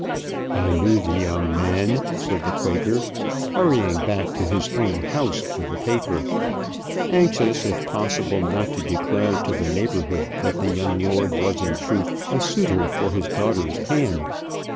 "I knew the young man," said the Quaker, hurrying back to his own house with the paper, anxious if possible not to declare to the neighbourhood that the young lord was in truth a suitor for his daughter's hand.